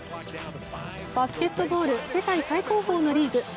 バスケットボール世界最高峰のリーグ、ＮＢＡ。